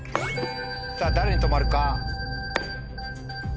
さぁ誰に止まるか。